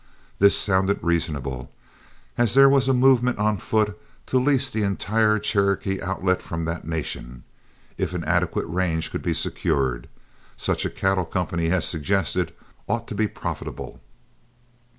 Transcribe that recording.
This sounded reasonable, and as there was a movement on foot to lease the entire Cherokee Outlet from that Nation, if an adequate range could be secured, such a cattle company as suggested ought to be profitable.